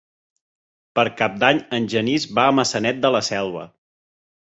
Per Cap d'Any en Genís va a Maçanet de la Selva.